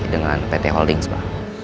dengan pt holdings pak